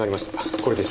これです。